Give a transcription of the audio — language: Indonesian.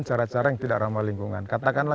cara cara yang tidak ramah lingkungan katakanlah